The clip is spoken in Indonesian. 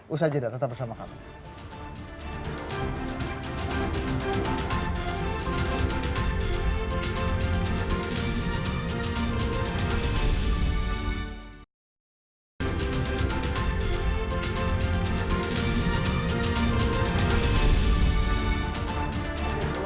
usaha jeda tetap bersama kami